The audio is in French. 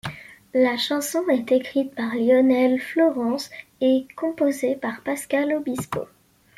La chanson est écrite par Lionel Florence et composée par Pascal Obispo.